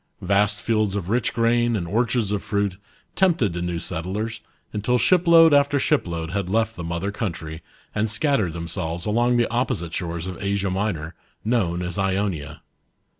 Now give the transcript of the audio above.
Vast fields of rich grain and orchards of fruit, tempted the new settlers, until shipload after shipload had left the mother country, and scattered themselves along the opposite shores of Asia Minor, known as Ionia.